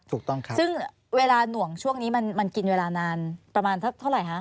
ถูกต้องครับซึ่งเวลาหน่วงช่วงนี้มันกินเวลานานประมาณสักเท่าไหร่คะ